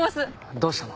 どうしたの？